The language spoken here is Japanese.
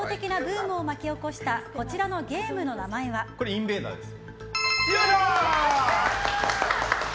インベーダーです。